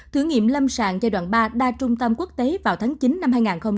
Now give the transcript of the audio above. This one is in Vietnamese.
thử nghiệm lâm sàng giai đoạn ba đa trung tâm quốc tế vào tháng chín năm hai nghìn hai mươi